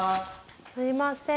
すいません